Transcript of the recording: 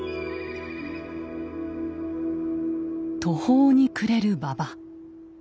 途方に暮れる馬場。